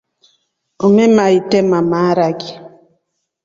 Umema endema maharaki.